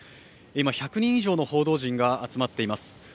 今、１００人以上の報道陣が集まっています。